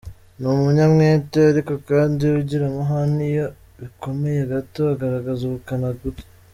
Ni umunyamwete ariko kandi ugira amahane iyo bikomeye gato agaragaza ubukana ubwe.